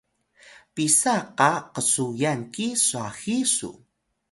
pisa qa qsuyan ki swahi su?